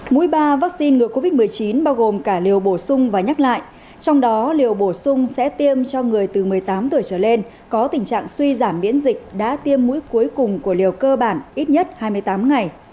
mũi ba vaccine ngừa covid một mươi chín bao gồm cả liều bổ sung và nhắc lại trong đó liều bổ sung sẽ tiêm cho người từ một mươi tám tuổi trở lên có tình trạng suy giảm miễn dịch đã tiêm mũi cuối cùng của liều cơ bản ít nhất hai mươi tám ngày